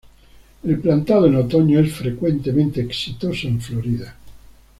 El plantado en otoño es frecuentemente exitoso en Florida.